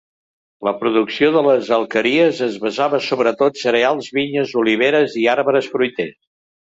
La producció de les alqueries es basava sobretot cereals, vinyes, oliveres i arbres fruiters.